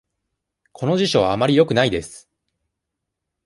この辞書はあまりよくないです。